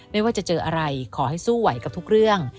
ไม่ว่าจะเจออะไรขอให้สู้ไหวกับทุกเรื่อง